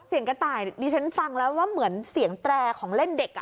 กระต่ายดิฉันฟังแล้วว่าเหมือนเสียงแตรของเล่นเด็กอ่ะ